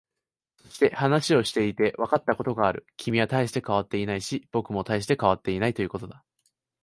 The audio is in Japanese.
そして、話をしていてわかったことがある。君は大して変わっていないし、僕も大して変わっていないということ。